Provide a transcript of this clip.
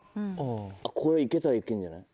あっこれはいけたらいけんじゃない？